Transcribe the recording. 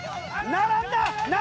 並んだ！